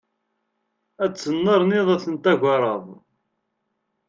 Ad ttennerniḍ ad ten-tagareḍ.